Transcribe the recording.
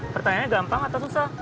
pertanyaannya gampang atau susah